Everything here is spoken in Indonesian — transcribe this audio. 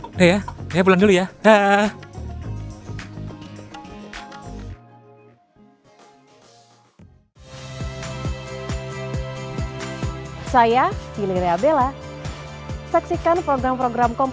oke ya saya pulang dulu ya